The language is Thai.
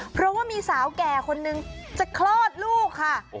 เพราะว่ามีสาวแก่คนนึงจะคลอดลูกค่ะ